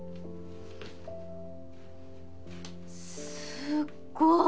すっごい！